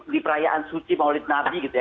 di perayaan suci maulid nabi gitu ya